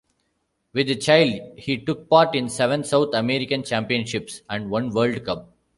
With Chile he took part in seven South American Championships and one World Cup.